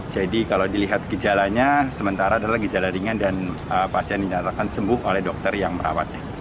jadi kalau dilihat gejalanya sementara adalah gejala ringan dan pasien dinyatakan sembuh oleh dokter yang merawatnya